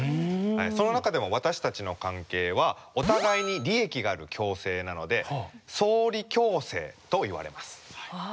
その中でも私たちの関係はお互いに利益がある共生なので「相利共生」といわれます。